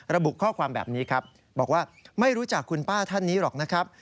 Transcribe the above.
ระบุข้อความแบบนี้ครับบอกว่าไม่รู้จักคุณป้าท่านนี้หรอกนะครับ